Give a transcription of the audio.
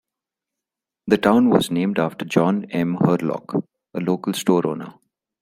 The town was named after John M. Hurlock, a local store owner.